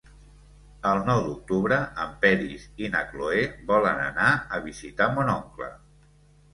El nou d'octubre en Peris i na Cloè volen anar a visitar mon oncle.